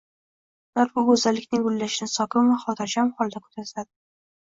Ular bu go’zallikni gullashini sokin va xotirjam holatda kuzatadi.